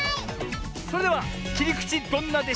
それでは「きりくちどんなでショー」。